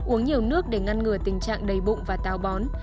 uống nhiều nước để ngăn ngừa tình trạng đầy bụng và táo bón